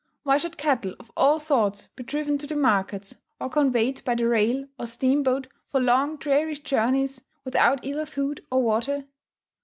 Why should cattle of all sorts be driven to the markets, or conveyed by rail or steam boat for long dreary journeys, without either food or water?